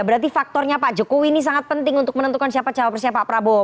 berarti faktornya pak jokowi ini sangat penting untuk menentukan siapa cawapresnya pak prabowo